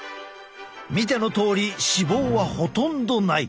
見てのとおり脂肪はほとんどない。